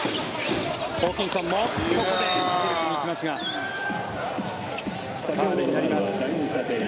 ホーキンソンもここで行きますがファウルになります。